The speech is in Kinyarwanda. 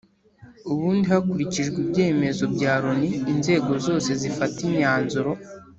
Ubundi hakurikijwe ibyemezo bya Loni, inzego zose zifata imyanzuro